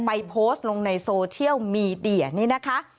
ไปโพสต์ลงในโซเชียลมีเดียนี่นะคะ